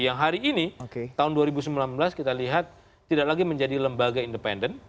yang hari ini tahun dua ribu sembilan belas kita lihat tidak lagi menjadi lembaga independen